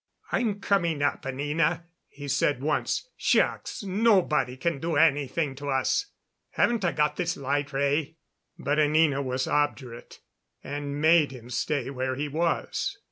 "I'm coming up, Anina," he said once. "Shucks! Nobody can do anything to us. Haven't I got this light ray?" But Anina was obdurate, and made him stay where he was.